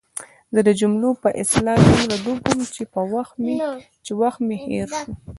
زه د جملو په اصلاح دومره ډوب وم چې وخت مې هېر شو.